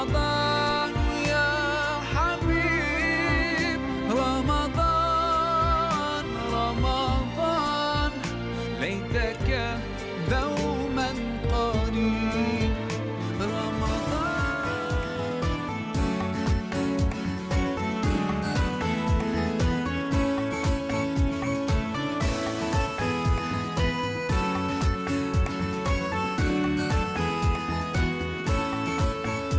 สวัสดีครับสวัสดีครับ